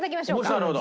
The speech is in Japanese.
なるほど。